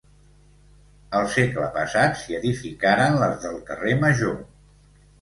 El segle passat s'hi edificaren les del carrer Major.